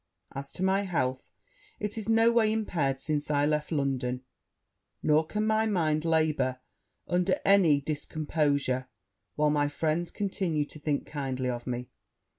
As to my health, it is no way impaired since I left London; nor can my mind labour under any discomposure, while my friends continue to think kindly of me.